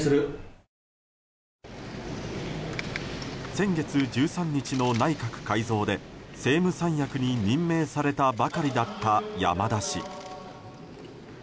先月１３日の内閣改造で政務三役に任命されたばかりだった山田氏。